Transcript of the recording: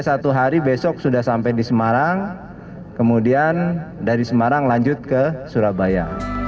satu hari besok sudah sampai di semarang kemudian dari semarang lanjut ke surabaya